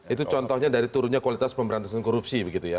itu contohnya dari turunnya kualitas pemberantasan korupsi begitu ya